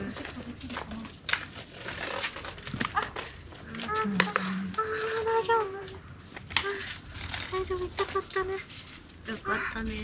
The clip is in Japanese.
・痛かったね・